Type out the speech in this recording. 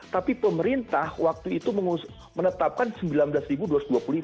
tapi pemerintah waktu itu menetapkan rp sembilan belas dua ratus dua puluh lima